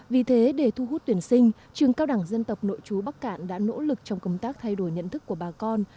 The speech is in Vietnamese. vì thế để thu hút tuyển sinh trường cao đẳng dân tộc nội chú bắc cạn đã nỗ lực trong công tác thay đổi nhận thức của bà con